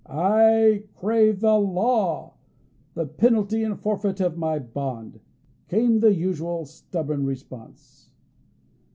"I crave the law, the penalty and forfeit of my bond," came the usual stubborn response.